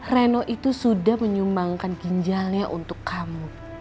reno itu sudah menyumbangkan ginjalnya untuk kamu